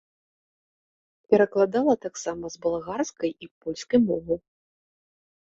Перакладала таксама з балгарскай і польскай моваў.